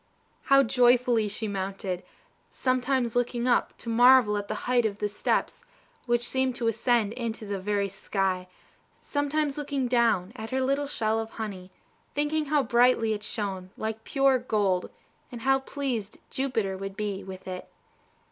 How joyfully she mounted! sometimes looking up to marvel at the height of the steps, which seemed to ascend into the very sky, sometimes looking down at her little shell of honey, thinking how brightly it shone, like pure gold, and how pleased Jupiter would be with it.